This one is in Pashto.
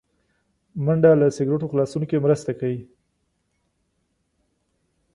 منډه له سګرټو خلاصون کې مرسته کوي